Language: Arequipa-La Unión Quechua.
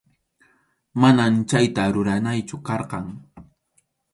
Manam chayta ruranaychu karqan.